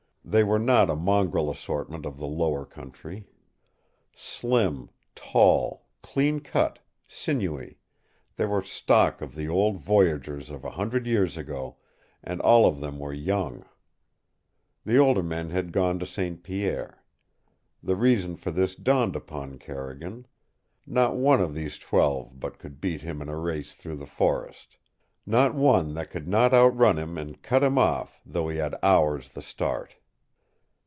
They were not a mongrel assortment of the lower country. Slim, tall, clean cut, sinewy they were stock of the old voyageurs of a hundred years ago, and all of them were young. The older men had gone to St. Pierre. The reason for this dawned upon Carrigan. Not one of these twelve but could beat him in a race through the forest; not one that could not outrun him and cut him off though he had hours the start!